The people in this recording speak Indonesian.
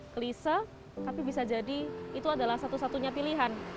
kelise tapi bisa jadi itu adalah satu satunya pilihan